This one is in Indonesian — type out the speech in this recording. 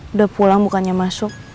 udah pulang bukannya masuk